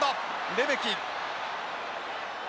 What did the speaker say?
レメキ。